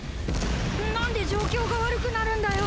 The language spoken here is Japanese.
何で状況が悪くなるんだよ！？